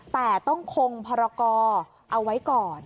แต่ต้องคงพรกรเอาไว้ก่อน